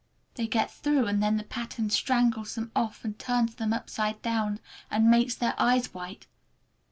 They get through, and then the pattern strangles them off and turns them upside down, and makes their eyes white!